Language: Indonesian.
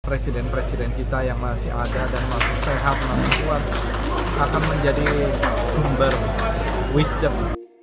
presiden presiden kita yang masih ada dan masih sehat masih kuat akan menjadi sumber wisdom